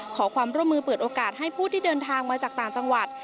ขอความร่วมมือเปิดโอกาสให้ผู้ที่เดินทางมาจากต่างจังหวัด